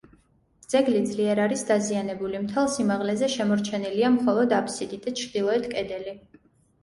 ძეგლი ძლიერ არის დაზიანებული, მთელ სიმაღლეზე შემორჩენილია მხოლოდ აბსიდი და ჩრდილოეთ კედელი.